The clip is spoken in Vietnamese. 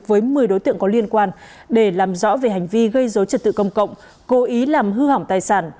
với một mươi đối tượng có liên quan để làm rõ về hành vi gây dối trật tự công cộng cố ý làm hư hỏng tài sản